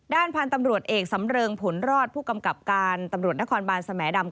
ด้านพันธุ์ตำรวจเอกสำเริงผลรอดผู้กำกับการตำรวจนครบานสแหมดำ